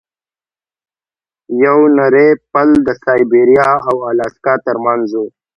یو نری پل د سایبریا او الاسکا ترمنځ و.